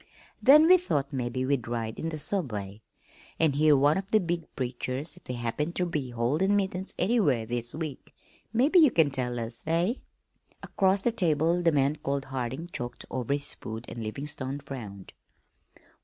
"Then we thought mebbe we'd ride in the subway an' hear one of the big preachers if they happened ter be holdin' meetin's anywheres this week. Mebbe you can tell us, eh?" Across the table the man called Harding choked over his food and Livingstone frowned.